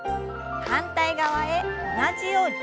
反対側へ同じように。